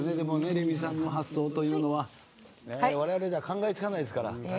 レミさんの発想というのは我々では考えつかないですから。